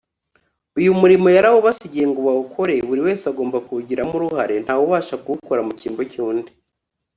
uyu murimo yarawubasigiye ngo bawukore. buri wese agomba kuwugiramo uruhare; nta wubasha kuwukora mu cyimbo cy'undi